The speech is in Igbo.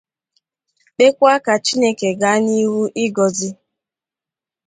kpekwa ka Chineke gaa n'ihu ịgọzi